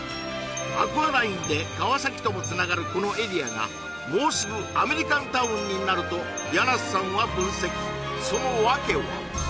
アクアラインで川崎ともつながるこのエリアがもうすぐアメリカンタウンになると柳瀬さんは分析その訳は？